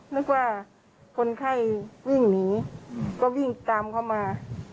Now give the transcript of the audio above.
นึกว่าคนไข้วิ่งหนีก็วิ่งตามเข้ามา